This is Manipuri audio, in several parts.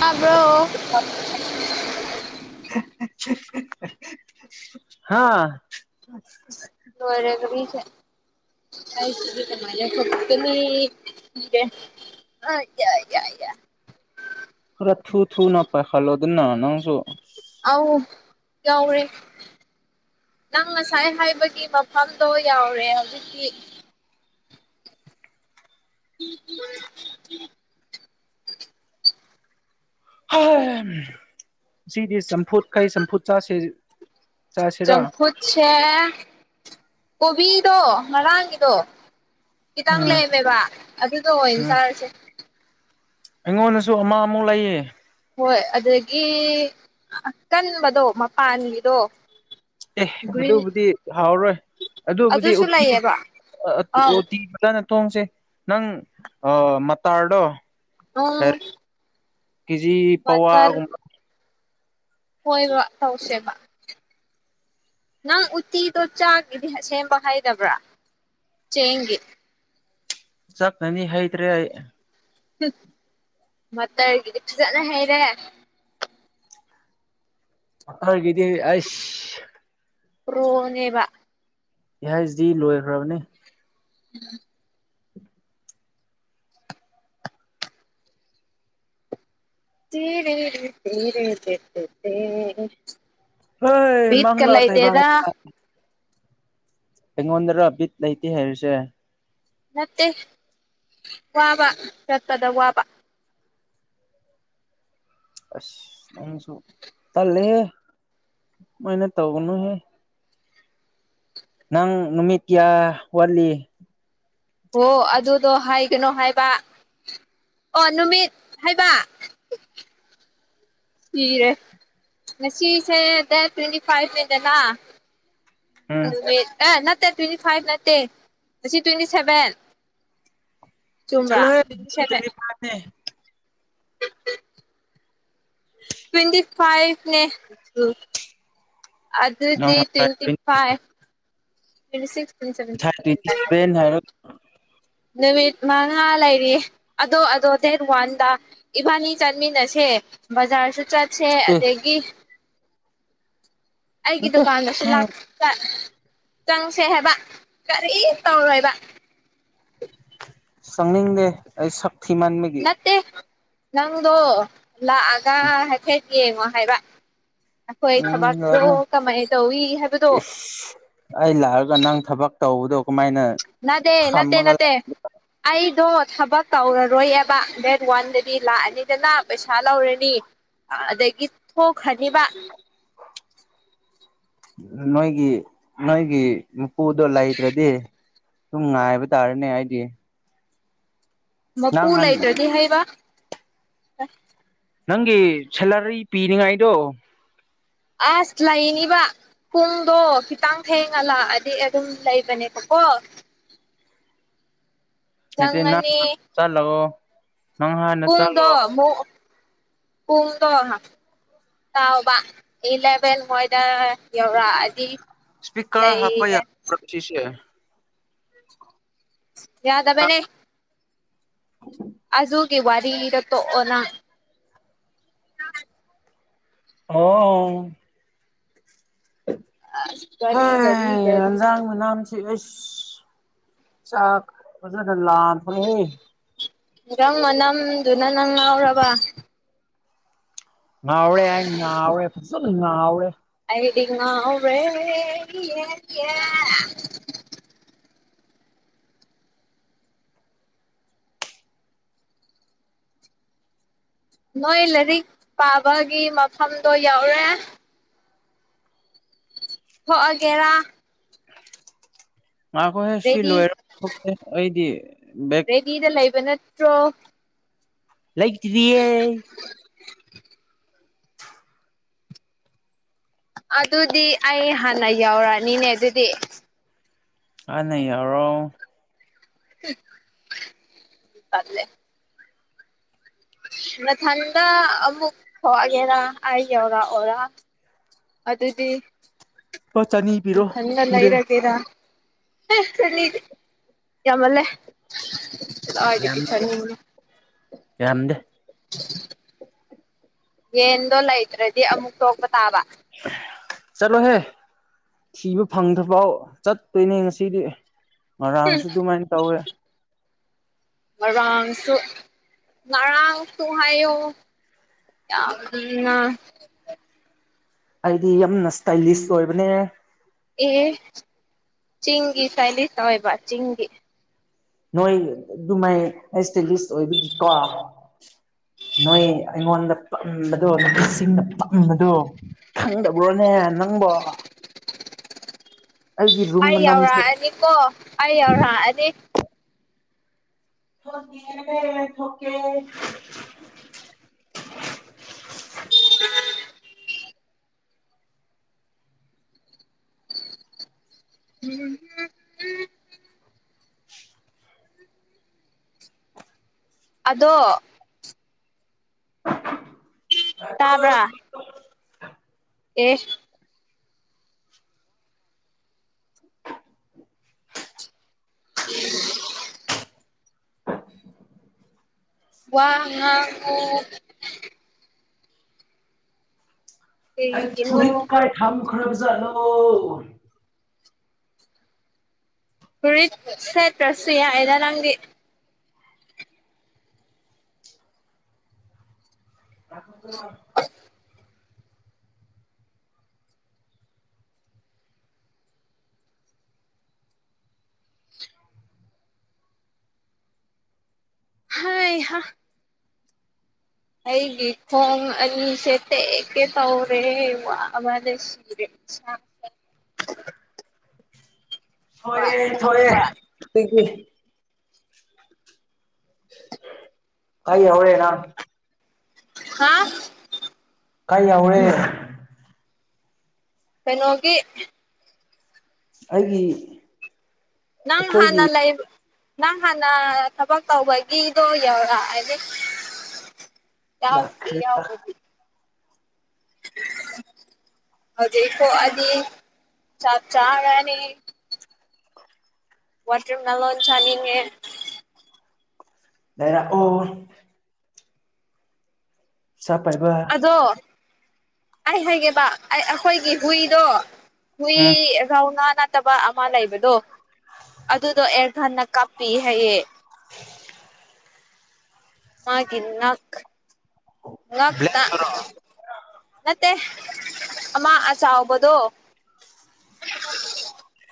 ꯇꯥꯕ꯭ꯔꯣ ꯍꯥꯥ ꯑ [inaudible] ꯂꯣꯢꯔꯦ ꯀꯔꯤꯁꯦ ꯑꯩꯒꯤꯗꯤ ꯑꯗꯨꯃꯥꯢꯅ ꯊꯣꯛꯄꯅꯦ ꯑꯥ ꯌꯥ ꯌꯥ ꯈꯔ ꯊꯨ ꯊꯨ ꯅ ꯄꯥꯏ ꯄꯥꯢꯍꯥꯜꯂꯣꯗꯅ ꯅꯪꯁꯨ ꯑꯥꯎ ꯌꯥꯎꯔꯦ ꯅꯪ ꯉꯁꯥꯏ ꯍꯥꯏꯕꯒꯤ ꯃꯐꯝꯗꯣ ꯌꯥꯎꯔꯦ ꯍꯧꯖꯤꯛꯇꯤ ꯎ [inaudible] ꯁꯤꯗꯤ ꯆꯥꯝꯐꯨꯠ ꯀꯩ ꯆꯥꯝꯐꯨꯠ ꯆꯥꯁꯦ ꯆꯝꯐꯨꯠꯁꯦ ꯀꯣꯕꯤꯗꯣ ꯉꯔꯥꯡꯒꯤꯗꯣ ꯈꯤꯇꯪ ꯎꯝ ꯂꯩꯔꯝꯃꯦꯕ ꯑꯗꯨꯗꯣ ꯑꯣꯏꯅ ꯎꯝ ꯆꯥꯔꯁꯦ ꯑꯩꯉꯣꯟꯗꯁꯨ ꯑꯃ ꯑꯃꯨꯛ ꯂꯩꯌꯦ ꯍꯣꯏ ꯑꯗꯒꯤ ꯀꯟꯕꯗꯣ ꯃꯄꯥꯟꯒꯤꯗꯣ ꯑꯦ ꯒ꯭ꯔꯤꯟ ꯑꯗꯨꯕꯨꯗꯤ ꯍꯥꯎꯔꯣꯏ ꯑꯗꯨꯕꯨꯗꯤ ꯑꯗꯨꯁꯨ ꯎꯇꯤ ꯂꯩꯌꯦꯕ ꯑꯥꯎ ꯎꯇꯤ ꯐꯖꯅ ꯊꯣꯡꯁꯦ ꯅꯪ ꯃꯇꯥꯔꯗꯣ ꯎꯝ꯫ ꯀꯦꯖꯤ ꯄꯋꯥꯒꯨꯝꯕ꯫ ꯍꯣꯏꯕ ꯇꯧꯁꯦꯕ꯫ ꯅꯪ ꯎꯇꯤꯗꯣ ꯆꯥꯒꯦꯗꯤ ꯁꯦꯝꯕ ꯍꯩꯗꯕ꯭ꯔꯥ ꯆꯦꯡꯒꯤ꯫ ꯆꯠꯂꯅꯤ ꯍꯩꯇ꯭ꯔꯦ ꯑꯩ꯫ ꯎꯝ ꯃꯇꯔꯒꯤꯗꯤ ꯐꯖꯅ ꯍꯩꯔꯦ꯫ ꯃꯇꯔꯒꯤꯗꯤ ꯑꯁ ꯄꯔꯣꯅꯦꯕ꯫ ꯄꯤ ꯍꯩꯁ ꯗꯤ ꯂꯣꯏꯈ꯭ꯔꯕꯅꯤ꯫ ꯎꯝ꯫ ꯇꯦꯔꯦꯔꯦ ꯇꯦꯔꯦꯔꯦ ꯇꯦꯠꯇꯦ꯫ ꯍꯣꯏ ꯕꯤꯠꯀ ꯃꯪꯂꯥ ꯂꯩꯇꯦꯗ꯫ ꯇꯥꯏꯕꯪꯂꯥ ꯑꯩꯉꯣꯟꯗꯔ ꯕꯤꯠ ꯂꯩꯇꯦ ꯍꯥꯏꯔꯤꯁꯦ꯫ ꯅꯠꯇꯦ ꯋꯥꯕ ꯆꯠꯄꯗ ꯋꯥꯕ꯫ ꯑꯁ ꯅꯪꯁꯨ ꯇꯜꯂꯦꯍꯦ ꯑꯗꯨꯃꯥꯏꯅ ꯇꯧꯒꯅꯨ ꯅꯪ ꯅꯨꯃꯤꯠ ꯀꯌꯥ ꯋꯥꯠꯂꯤ꯫ ꯑꯣ ꯑꯗꯨꯗꯣ ꯍꯥꯏꯒꯅꯣ ꯍꯥꯏꯕ ꯑꯣ ꯅꯨꯃꯤꯠ ꯍꯥꯏꯕ꯫ ꯁꯤꯔꯦ ꯉꯁꯤꯁꯦ ꯗꯦꯠ ꯇ꯭ꯋꯦꯟꯇꯤ ꯐꯥꯏꯚꯅꯤꯗꯅ꯫ ꯎꯝ ꯅꯠꯇꯦ ꯇ꯭ꯋꯦꯟꯇꯤ ꯐꯥꯏꯚ ꯅꯠꯇꯦ ꯉꯁꯤ ꯇ꯭ꯋꯦꯟꯇꯤ ꯁꯦꯚꯦꯟ꯫ ꯆꯨꯝꯕ꯭ꯔꯥ ꯆꯂꯣꯍꯦ ꯇ꯭ꯋꯦꯟꯇꯤ ꯉꯁꯤ ꯁꯦꯚꯦꯟ ꯇꯋꯦꯟꯇꯤꯐꯥꯏꯚꯅꯤ꯫ ꯇ꯭ꯋꯦꯟꯇꯤ ꯐꯥꯏꯚꯅꯦ꯫ ꯅꯪ ꯑꯗꯨꯗꯤ ꯉꯁꯥꯏ twenty twenty five twenty six ꯉꯁꯥꯏ ꯇꯋꯦꯟꯇꯤ ꯇ꯭ꯋꯦꯟꯇꯤ ꯁꯦꯕꯦꯟ꯫ ꯁꯚꯦꯟ ꯍꯥꯏꯔꯒ ꯅꯨꯃꯤꯠ ꯃꯉꯥ ꯂꯩꯔꯤ ꯑꯗꯣ ꯑꯗꯣ ꯗꯦꯠ ꯋꯥꯟꯗ꯫ ꯏꯕꯥꯅꯤ ꯆꯠꯃꯤꯟꯅꯁꯦ ꯕꯖꯥꯔꯁꯨ ꯆꯠꯁꯦ ꯑꯦ ꯑꯗꯒꯤ꯫ ꯑꯩꯒꯤ ꯅꯠꯇꯦ ꯗꯨꯀꯥꯟꯗꯁꯨ ꯅꯪ ꯆꯪꯁꯦ ꯍꯥꯏꯕ ꯀꯔꯤ ꯇꯧꯔꯣꯏꯕ꯫ ꯆꯪꯅꯤꯡꯗꯦ ꯑꯩ ꯁꯛ ꯊꯤꯃꯟꯕꯒꯤ ꯅꯠꯇꯦ ꯅꯪꯗꯣ ꯂꯥꯛꯑꯒ ꯍꯥꯏꯐꯦꯠ꯫ ꯌꯦꯡꯉꯣ ꯍꯥꯏꯕ ꯑꯩꯈꯣꯏ ꯎꯝ ꯊꯕꯛꯇꯣ ꯂꯥꯛꯅꯤ ꯀꯃꯥꯏ ꯇꯧꯋꯤ ꯍꯥꯏꯕꯗꯣ꯫ ꯏꯁ ꯑꯩ ꯂꯥꯛꯑꯒ ꯅꯪ ꯊꯕꯛ ꯇꯧꯕꯗꯣ ꯀꯃꯥꯏꯅ꯫ ꯅꯥꯗꯦ ꯅꯠꯇꯦ ꯐꯝꯃꯒ ꯅꯠꯇꯦ꯫ ꯑꯩꯗꯣ ꯊꯕꯛ ꯇꯧꯔꯔꯣꯏꯑꯕ ꯗꯦꯠ ꯋꯥꯟꯗꯗꯤ ꯂꯥꯛꯑꯅꯤꯗꯅ ꯄꯩꯁꯥ ꯂꯧꯔꯅꯤ꯫ ꯑꯗꯒꯤ ꯊꯣꯛꯈꯔꯅꯤꯕ꯫ ꯅꯣꯏꯒꯤ ꯅꯣꯏꯒꯤ ꯃꯄꯨꯨꯗꯣ ꯂꯩꯇꯔꯗꯤ꯫ ꯁꯨꯝ ꯉꯥꯏꯕ ꯇꯥꯔꯅꯦ ꯑꯩꯗꯤ꯫ ꯃꯄꯨ ꯅꯪ ꯍꯟ ꯂꯩꯇ꯭ꯔꯗꯤ ꯍꯩꯕ꯫ ꯅꯪꯒꯤ ꯁꯦꯂꯔꯤ ꯄꯤꯅꯤꯉꯥꯏꯗꯣ꯫ ꯑꯁ ꯂꯩꯅꯤꯕ꯫ ꯄꯨꯡꯗꯣ ꯈꯤꯇꯪ ꯊꯦꯡꯉ ꯂꯥꯛꯑꯗꯤ ꯑꯗꯨꯝ ꯂꯩꯕꯅꯦꯕꯀꯣ꯫ [unintelligible] ꯅꯪ ꯆꯪꯉꯅꯤ ꯆꯠꯂꯣ ꯅꯪ ꯍꯥꯟꯅ ꯄꯨꯡꯗꯣ ꯆꯠꯂꯣ ꯃꯨꯛ ꯄꯨꯡꯗꯣ꯫ ꯇꯥꯎꯕ ꯏꯂꯦꯚꯦꯜ ꯍꯣꯏꯗ ꯌꯧꯔꯛꯑꯗꯤ꯫ ꯏꯁꯄꯤꯀꯔ ꯍꯥꯞꯄ ꯂꯩꯔꯦ ꯌꯥꯗꯕꯔꯁꯤꯁꯦ ꯌꯥꯗꯕꯅꯦ꯫ ꯑꯗꯨꯒꯤ ꯋꯥꯔꯤꯅꯤꯗ ꯇꯣꯛꯑꯣ ꯅꯪ ꯑꯣ ꯒꯥꯔꯤ ꯒꯥꯔꯤ ꯍꯩ ꯒꯥꯔꯤ ꯌꯦꯟꯖꯥꯡ ꯃꯅꯝ ꯏꯁ ꯆꯥꯛ ꯐꯖꯅ ꯂꯥꯝꯈ꯭ꯔꯦꯍꯦ꯫ [unintelligible] ꯃꯅꯝꯗꯨꯅ ꯅꯪ ꯉꯥꯎꯔꯕ꯫ ꯉꯥꯎꯔꯦ ꯑꯩ ꯉꯥꯎꯔꯦ ꯐꯖꯅ ꯉꯥꯎꯔꯦ꯫ ꯑꯩꯗꯤ ꯉꯥꯎꯔꯦ ꯏꯌꯦ ꯍꯤ ꯌꯦ ꯅꯣꯏ ꯂꯥꯏꯔꯤꯛ ꯄꯥꯕꯒꯤ ꯃꯐꯝꯗꯣ ꯌꯧꯔꯦ꯫ ꯊꯣꯛꯑꯒꯦꯔꯥ ꯉꯥꯈꯣꯍꯦ ꯁꯤ ꯔꯦꯗꯤ ꯂꯣꯏꯔ ꯊꯣꯛꯁꯦ ꯑꯩꯗꯤ ꯕꯦꯒ ꯑꯦꯗꯤꯗ ꯂꯩꯕ ꯅꯠꯇ꯭ꯔꯣ꯫ ꯂꯩꯇ꯭ꯔꯤꯌꯦ꯫ ꯑꯗꯨꯗꯤ ꯑꯩ ꯍꯥꯟꯅ ꯌꯧꯔꯅꯤꯅꯦ ꯑꯗꯨꯗꯤ꯫ ꯍꯥꯟꯅ ꯌꯧꯔꯣ꯫ [unintelligible] ꯇꯜꯂꯦ꯫ ꯅꯊꯟꯗ ꯑꯃꯨꯛ ꯊꯣꯛꯒꯦꯔꯥ ꯑꯩ ꯌꯧꯔꯛꯑꯣꯔꯥ꯫ ꯑꯗꯨꯗꯤ ꯂꯨꯄꯥ ꯆꯅꯤ ꯄꯤꯔꯣ ꯅꯊꯟꯗ ꯗꯦ ꯂꯩꯔꯒꯦꯔ ꯑꯦ ꯆꯅꯤꯗꯤ ꯌꯥꯝꯃꯜꯂꯦ꯫ ꯀꯗꯥꯏꯗꯒꯤ ꯌꯥꯝꯗꯦ ꯆꯅꯤꯅꯣ ꯌꯥꯝꯗꯦ꯫ ꯌꯦꯟꯗꯣ ꯂꯩꯇ꯭ꯔꯗꯤ ꯑꯃꯨꯛ ꯇꯣꯛꯄ ꯇꯥꯕ꯫ ꯆꯠꯂꯣꯍꯦ꯫ ꯊꯤꯕ ꯐꯪꯗ꯭ꯔꯐꯥꯎ ꯆꯠꯇꯣꯏꯅꯦ ꯉꯁꯤꯗꯤ ꯉꯔꯥꯡꯁꯨ ꯑꯗꯨꯃꯥꯏꯅ ꯇꯧꯋꯦ꯫ ꯉꯔꯥꯡꯁꯨ ꯉꯔꯥꯡꯁꯨ ꯍꯥꯏꯌꯣ꯫ ꯌꯥꯝꯅ꯫ ꯑꯩꯗꯤ ꯌꯥꯝꯅ ꯏꯁꯇꯥꯏꯂꯤꯁ ꯑꯣꯏꯕꯅꯦ꯫ ꯑꯦ ꯆꯤꯡꯒꯤ ꯁ꯭ꯇꯥꯏꯂꯤꯁ ꯇꯧꯋꯦꯕ ꯆꯤꯡꯒꯤ꯫ ꯅꯣꯏ ꯑꯗꯨꯃꯥꯏ ꯑꯩꯁꯇ ꯂꯤꯁ ꯑꯣꯏꯕꯒꯤꯀꯣ꯫ ꯅꯣꯏ ꯑꯩꯉꯣꯟꯗ ꯄꯝꯕꯗꯣ ꯅꯨꯄꯤꯁꯤꯡꯗ ꯄꯝꯕꯗꯣ꯫ ꯈꯪꯗꯕ꯭ꯔꯣꯅꯦ ꯅꯪꯕꯣ꯫ ꯑꯩꯒꯤ ꯔꯨꯝ ꯑꯩ ꯃꯅꯝꯁꯦ ꯌꯧꯔꯛꯑꯅꯤꯀꯣ ꯑꯩ ꯌꯧꯔꯛꯑꯅꯤ꯫ [unintelligible] [unintelligible] ꯑꯗꯣ꯫ ꯇꯥꯕ꯭ꯔꯥ꯫ [unintelligible] ꯑꯦ꯫ [inaudible] ꯋꯥ ꯉꯥꯡꯉꯣ꯫ ꯑꯩ ꯀꯩꯒꯤꯅꯣ ꯐꯨꯔꯤꯠ ꯀꯥꯏ ꯊꯝꯈ꯭ꯔꯕꯖꯥꯠꯂꯣ꯫ ꯐꯨꯔꯤꯠ ꯁꯦꯠꯇ꯭ꯔꯁꯨ ꯌꯥꯏꯗ ꯅꯪꯗꯤ꯫ [unintelligible] ꯍꯩꯍꯥ ꯑꯩꯒꯤ ꯈꯣꯡ ꯑꯅꯤꯁꯦ ꯇꯦꯛꯀꯦ ꯇꯧꯔꯦ ꯋꯥꯕꯗ ꯁꯤꯔꯦ꯫ [unintelligible] [inaudible] ꯊꯣꯛꯑꯦ ꯊꯣꯛꯑꯦ [unintelligible] ꯀꯥꯏ ꯌꯧꯔꯦ ꯅꯪ꯫ ꯍꯥ ꯀꯥꯏ ꯌꯧꯔꯦ ꯀꯩꯅꯣꯒꯤ ꯑꯩꯒꯤ ꯅꯪ ꯑꯩꯈꯣꯏꯒꯤ ꯍꯥꯥꯟꯅ ꯂꯩꯕ ꯅꯪ ꯍꯥꯟꯅ ꯊꯕꯛ ꯇꯧꯕꯒꯤꯗꯣ ꯌꯧꯔꯛ ꯑꯅꯤ ꯌꯥꯎꯗ꯭ꯔꯤ ꯌꯥꯎꯕꯗꯤ ꯍꯧꯖꯤꯛ ꯊꯣꯛꯑꯗꯤ ꯆꯥꯛ ꯆꯥꯔꯅꯤ ꯋꯥꯇꯔ ꯃꯦꯂꯣꯟ ꯆꯥꯅꯤꯡꯉꯦ ꯂꯩꯔꯛꯑꯣ ꯄꯩꯁꯥ ꯄꯥꯏꯕ ꯑꯗꯣ ꯑꯩ ꯍꯥꯏꯒꯦꯕ ꯑꯩ ꯑꯈꯣꯏꯒꯤ ꯍꯨꯏꯗꯣ ꯍꯨꯏ ꯎꯝ ꯔꯧꯅꯥ ꯅꯠꯇꯕ ꯑꯃ ꯂꯩꯕꯗꯣ ꯑꯗꯨꯗꯣ ꯑꯦꯌꯔꯒꯟꯅ ꯀꯥꯞ ꯄꯤ ꯍꯥꯏꯌꯦ ꯃꯥꯒꯤ ꯅꯛ ꯉꯛꯇ ꯕ꯭ꯂꯦꯛꯇꯨꯔꯣ ꯅꯠꯇꯦ ꯑꯃ ꯑꯆꯥꯎꯕꯗꯣ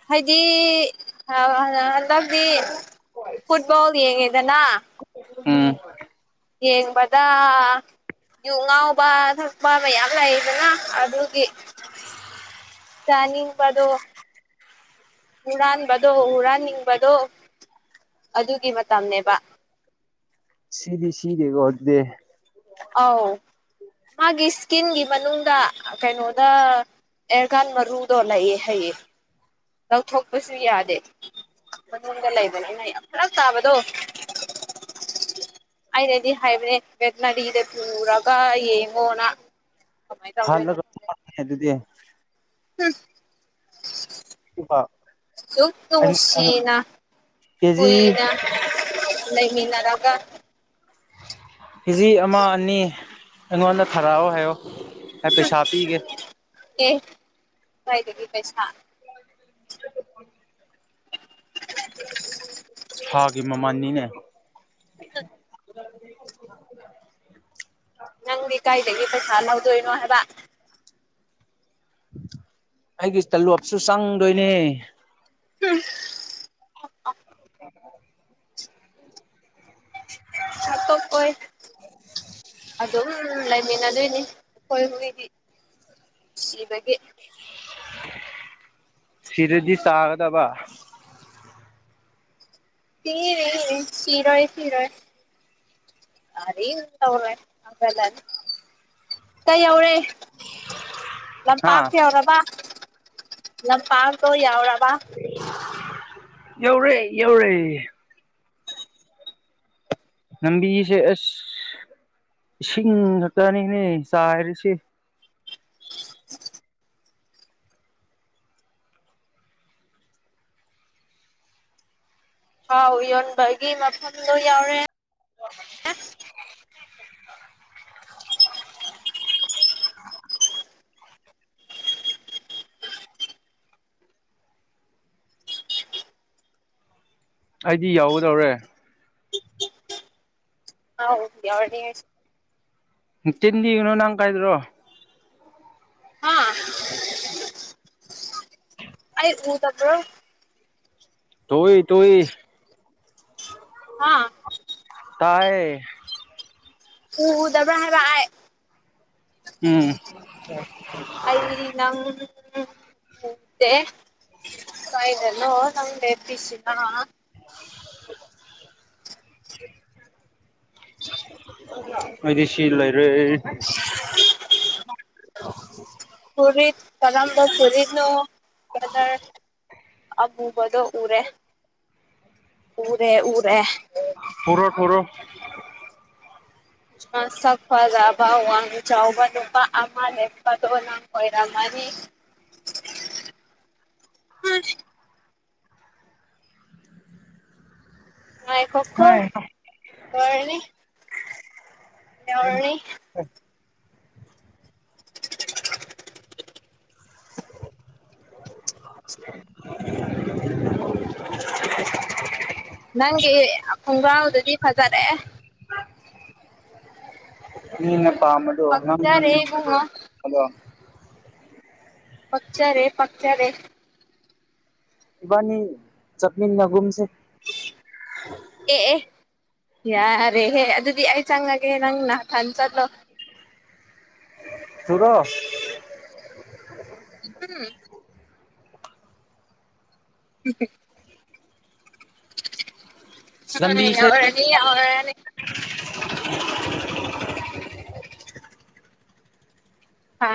ꯍꯥꯏꯗꯤ [unintelligible] ꯍꯟꯗꯛꯗꯤ ꯐꯨꯠꯕꯣꯜ ꯌꯦꯡꯉꯦꯗꯅ ꯎꯝ ꯌꯦꯡꯕꯗꯥ ꯌꯨ ꯉꯥꯎꯕ ꯊꯛꯄ ꯃꯌꯥꯝ ꯂꯩꯗꯅ ꯑꯗꯨꯒꯤ ꯆꯥꯅꯤꯡꯕꯗꯣ ꯍꯨꯔꯥꯟꯕꯗꯣ ꯍꯨꯔꯥꯟꯅꯤꯡꯕꯗꯣ ꯑꯗꯨꯒꯤ ꯃꯇꯝꯅꯦꯕ ꯁꯤꯗꯤ ꯁꯤꯗꯦꯀꯣ ꯑꯗꯨꯗꯤ ꯑꯧ ꯃꯥꯒꯤ ꯏꯁꯀꯤꯟꯒꯤ ꯃꯅꯨꯡꯗ ꯀꯩꯅꯣꯗ ꯑꯦꯔꯒꯥꯟ ꯃꯔꯨꯗꯣ ꯂꯩꯌꯦ ꯍꯥꯏꯌꯦ ꯂꯧꯊꯣꯛꯄꯁꯨ ꯌꯥꯗꯦ ꯃꯅꯨꯡꯗ ꯂꯩꯕꯅꯦ ꯑꯩꯅ ꯌꯥꯝ ꯐꯔꯛ ꯇꯥꯕꯗꯣ [inaudible] ꯑꯩꯅꯗꯤ ꯍꯥꯏꯕꯅꯦ ꯚꯦꯇꯅꯔꯤꯗ ꯄꯨꯨꯔꯒ ꯌꯦꯡꯉꯣꯅ ꯀꯃꯥꯏꯅ ꯇꯧꯗꯣꯏꯅꯣ ꯍꯥꯠꯂꯒ [unintelligible] ꯑꯗꯨꯗꯤ ꯍꯨꯞ [unintelligible] ꯁꯨꯛ ꯅꯨꯡꯁꯤꯅ ꯀꯦꯖꯤ ꯀꯨꯏꯅ ꯂꯩꯃꯤꯟꯅꯔꯒ ꯀꯦꯖꯤ ꯑꯃ ꯑꯅꯤ ꯑꯩꯉꯣꯟꯗ ꯈꯥꯏꯔꯛꯑꯣ ꯍꯥꯏꯌꯣ ꯑꯩ ꯄꯩꯁꯥ ꯄꯤꯒꯦ ꯑꯦ ꯀꯥꯏꯗꯒꯤ ꯄꯩꯁꯥ ꯁꯥꯒꯤ ꯃꯃꯟꯅꯤꯅꯦ [unintelligible] ꯅꯪꯗꯤ ꯀꯥꯏꯗꯒꯤ ꯄꯩꯁꯥ ꯂꯧꯗꯣꯏꯅꯣ ꯍꯥꯏꯕ ꯑꯩꯒꯤ ꯇꯂꯣꯞꯁꯨ ꯆꯪꯗꯣꯏꯅꯦ [unintelligible] [unintelligible] ꯁꯥꯠꯇꯣꯛꯑꯣꯏ ꯑꯗꯨꯝ ꯂꯩꯃꯤꯟꯅꯗꯣꯏꯅꯤ ꯑꯩꯈꯣꯏ ꯍꯨꯣꯏꯗꯤ ꯁꯤꯕꯒꯤ ꯁꯤꯔꯗꯤ ꯆꯥꯒꯗꯕ ꯁꯤ [unintelligible] ꯁꯤꯔꫭꯏ ꯁꯤꯔꫭꯏ [unintelligible] [inaudible] ꯂꯝꯄꯥꯛꯇ ꯍꯥ ꯌꯥꯎꯔꯕ ꯂꯝꯄꯥꯛꯇꯣ ꯌꯥꯎꯔꯕ ꯑꯧꯔꯦ ꯑꯧꯔꯦ ꯂꯝꯕꯤꯁꯦ ꯑꯁ ꯏꯁꯤꯡ ꯉꯛꯇꯅꯤꯍ‌ꯦ ꯆꯥꯏꯔꯤꯁ‌ꯦ ꯊꯥꯎ ꯌꯣꯟꯕꯒꯤ ꯃꯐꯝꯗꯣ ꯌꯥꯎꯔꯦ [unintelligible] ꯑꯩꯗꯤ ꯌꯥꯎꯒꯗꯧꯔꯦ ꯍꯥꯎ ꯌꯥꯎꯗꯦ ꯅꯪꯁ ꯇꯤꯟ ꯏꯅꯣ [unintelligible] ꯅꯪ ꯀꯥꯏꯗ꯭ꯔꯣ ꯍꯥ ꯑꯩ ꯎꯗꯕꯔꯣ꯫ ꯇꯨꯏ ꯇꯨꯏ ꯍꯥ ꯇꯥꯏꯌꯦ ꯎꯗꯕ꯭ꯔꯥ ꯍꯥꯏꯕ ꯑꯩ ꯎꯝ ꯑꯩ ꯅꯪ ꯀꯥꯏꯗꯅꯣ ꯆꯪꯗꯦ ꯄꯤꯁꯤꯅ [unintelligible] ꯑꯩꯗꯤ ꯁꯤ ꯂꯩꯔꯦ꯫ ꯑ [inaudible] ꯐꯔꯤꯠ ꯀꯔꯝꯕ ꯐꯔꯤꯠꯅꯣ [unintelligible] ꯑꯃꯨꯕꯗꯣ ꯎꯔꯦ ꯎꯔꯦ ꯎꯔꯦ ꯄꯨꯔꯦ ꯄꯨꯔꯦ ꯃꯁꯛ ꯐꯖꯕ ꯋꯥꯡ ꯆꯥꯎꯕ ꯅꯨꯄꯥ ꯑꯃꯥ ꯂ‌ꯦꯞꯄꯗꯨ ꯅꯪ ꯑꫭꯏꯔꯝꯃꯅꯤ [inaudible] ꯍꯥ [unintelligible] ꯉꯥꯏꯈꯣꯀꫭ ꯔꯅꯤ [unintelligible] ꯂꯎꯔꯅꯤ [unintelligible] [unintelligible] [unintelligible] ꯅꯪꯒꯤ ꯈꯣꯡꯒ꯭ꯔꯥꯎꯗꯨꯗꯤ ꯐꯖꯔꯦ ꯃꯤꯅ ꯄꯥꯝꯕꯗꯣ ꯅꯪ ꯄꯛꯆꯔꯦ ꯏꯕꯨꯡꯉꯣ ꯑꯗꯣ ꯄꯛꯆꯔꯦ ꯄꯛꯆꯔꯦ ꯏꯕꯥꯅꯤ ꯆꯠꯃꯤꯅꯒꯨꯝꯁꯦ ꯑꯦ ꯑꯦ ꯌꯥꯔꯦꯍꯦ ꯑꯗꯨꯗꯤ ꯑꯩ ꯆꯪꯉꯒꯦ ꯅꯪ ꯅꯊꯟ ꯆꯠꯂꯣ ꯇꯨꯔꯣ [unintelligible] ꯍꯨꯝ [unintelligible] ꯎꯝ ꯂꯝꯕꯤꯁꯦ ꯌꯥꯎꯔꯅꯤ ꯌꯥꯎꯔꯅꯤ